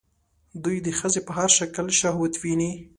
دوی د ښځې په هر شکل کې شهوت ويني